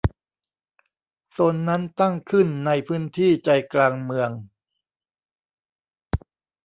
โซนนั้นตั้งขึ้นในพื้นที่ใจกลางเมือง